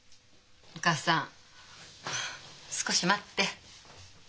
お母さん少し待って。